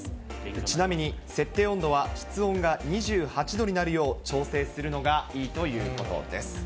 ちなみに設定温度は室温が２８度になるよう調整するのがいいということです。